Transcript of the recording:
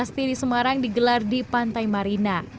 untuk melasti semarang digelar di pantai marina